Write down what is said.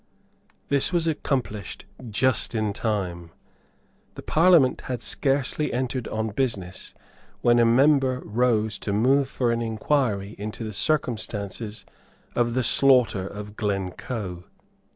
This was accomplished just in time. The Parliament had scarcely entered on business when a member rose to move for an inquiry into the circumstances of the slaughter of Glencoe.